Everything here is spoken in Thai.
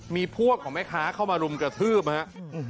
มีพวกของแม่ค้าเข้ามารุมกระทืบครับ